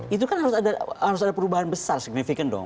itu kan harus ada perubahan besar signifikan dong